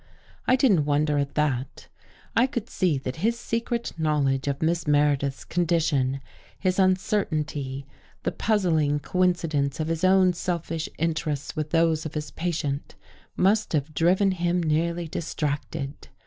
I didn't wonder at that. I could see that his secret knowledge of Miss Meredith's condition, his uncertainty, the puzzling coincidence of his own self ish interests with those of his patient, must have driven him nearly distracted.